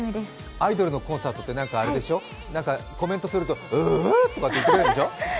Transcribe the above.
アイドルのコンサートって何かあれでしょ、コメントするとうーって言ってくれるんでしょ？